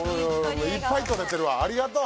いっぱい撮れてるわありがとう